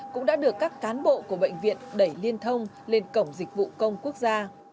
cũng đã được các cán bộ của bệnh viện đẩy liên thông lên cổng dịch vụ công quốc gia